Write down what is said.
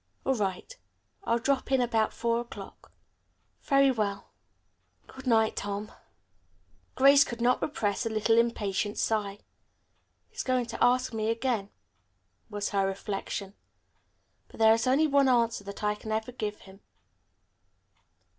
"All right. I'll drop in about four o'clock." "Very well. Good night, Tom." Grace could not repress a little impatient sigh. "He's going to ask me again," was her reflection, "but there is only one answer that I can ever give him."